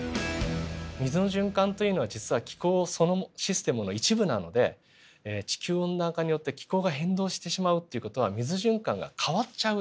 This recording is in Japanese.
水の循環というのは実は気候そのシステムの一部なので地球温暖化によって気候が変動してしまうっていう事は水循環が変わっちゃうって事ですね。